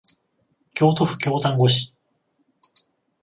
京都府京丹後市